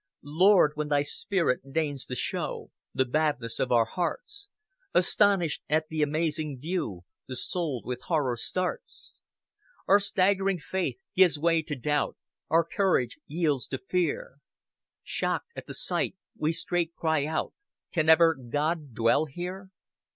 "Lord, when Thy Spirit deigns to show The badness of our hearts, Astonished at the amazing view, The Soul with horror starts. "Our staggering faith gives way to doubt, Our courage yields to fear; Shocked at the sight, we straight cry out, 'Can ever God dwell here?'